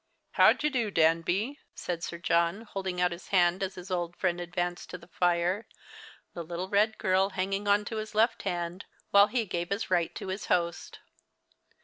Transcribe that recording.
" How d'ye do, Danby ?" said Sir John, holding out his hand as his old friend advanced to the fire, the little red girl hanging on to his left hand, while he gave his right to his host.